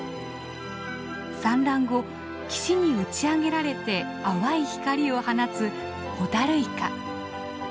産卵後岸に打ち上げられて淡い光を放つホタルイカ。